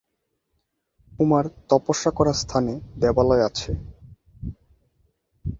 উমার তপস্যা করা স্থানে দেবালয় আছে।